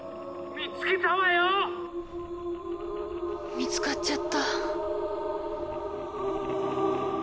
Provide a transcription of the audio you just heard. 見つかっちゃった。